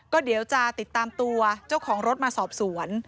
ก็เดี๋ยวจะติดตามตัวเจ้าของรถมาสอบสวน